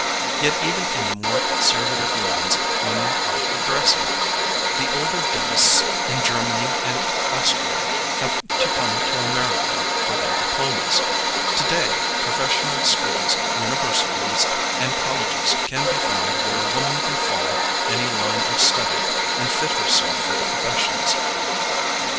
Yet even in the more conservative lands women are progressing. The older dentists in Germany and Austria had to come to America for their diplomas. To day professional schools, universities, and colleges can be found where a woman can follow any line of study and fit herself for the professions.